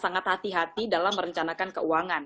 sangat hati hati dalam merencanakan keuangan